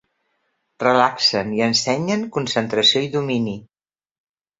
Relaxen i ensenyen concentració i domini.